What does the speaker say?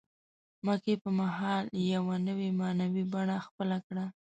مکې په مهال یوه نوې معنوي بڼه خپله کړه.